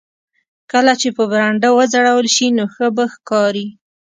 کله چې په برنډه وځړول شي نو ښه به ښکاري